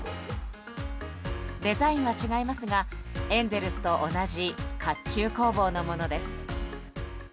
デザインは違いますがエンゼルスと同じ甲冑工房のものです。